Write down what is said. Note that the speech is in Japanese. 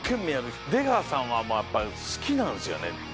出川さんはやっぱり好きなんですよね